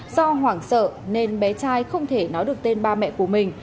do hoảng sợ nên bé trai không thể nói được tên ba mẹ của mình